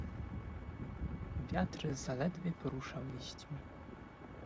"Wiatr zaledwie poruszał liśćmi."